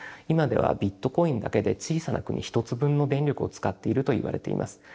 今ではビットコインだけで小さな国１つ分の電力を使っているといわれています。